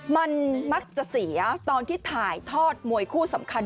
มันมักจะเสียตอนที่ถ่ายทอดมวยคู่สำคัญ